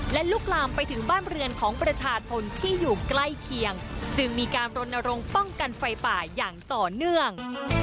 และลุกลามไปถึงบ้านเรือนของประชาชนที่อยู่ใกล้เคียงจึงมีการรณรงค์ป้องกันไฟป่าอย่างต่อเนื่อง